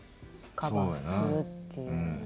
カバーするっていうのはね。